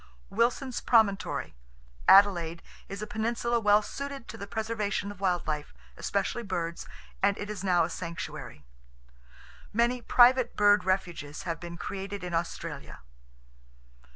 Wilson's Promontory. Adelaide, is a peninsula well suited to the preservation of wild life, especially birds, and it is now a sanctuary. Many private bird refuges have been created in Australia.